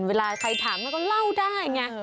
เวลาใครถามมันก็เล่าได้ไง